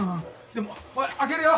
でもおい開けるよ！